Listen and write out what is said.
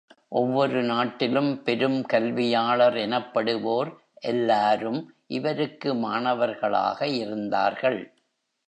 ஒவ்வொரு நாட்டிலும் பெரும் கல்வியாளர் எனப்படுவோர் எல்லாரும் இவருக்கு மாணவர்களாக இருந்தார்கள்!